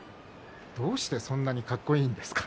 どうして、そんなにかっこいいんですか？